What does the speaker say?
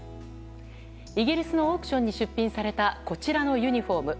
イギリスのオークションに出品されたこちらのユニホーム。